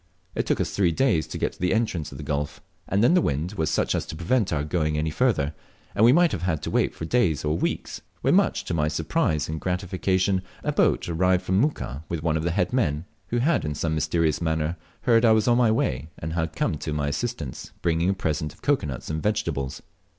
It took us three days to get to the entrance of the gulf, and then the wind was such as to prevent our going any further, and we might have had to wait for days or weeps, when, much to my surprise and gratification, a boat arrived from Muka with one of the head men, who had in some mysterious manner heard I was on my way, and had come to my assistance, bringing a present of cocoa nuts and vegetables.